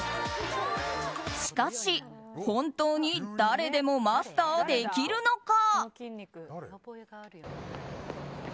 しかし、本当に誰でもマスターできるのか？